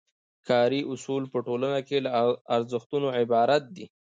کاري اصول په ټولنه کې له ارزښتونو عبارت دي.